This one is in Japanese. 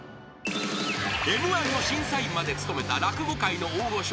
［Ｍ−１の審査員まで務めた落語界の大御所